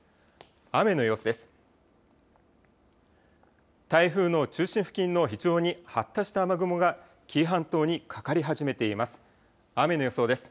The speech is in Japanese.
雨の様子です。